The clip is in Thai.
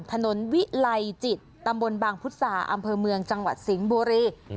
ถนนวิไลจิตตำบลบางพุทธศาอำเภอเมืองจังหวัดสิงห์บุรี